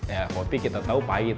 ya kopi kita tahu pahit